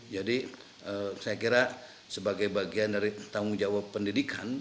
jadi saya kira sebagai bagian dari tanggung jawab pendidikan